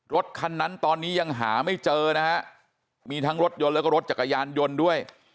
รถคันนั้นตอนนี้ยังหาไม่เจอนะฮะมีทั้งรถยนต์แล้วก็รถจักรยานยนต์ด้วย